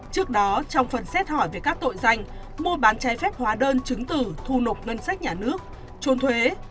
trước đó trong phần xét hỏi về các tội danh mua bán trái phép hóa đơn chứng tử thu nộp ngân sách nhà nước trốn thuế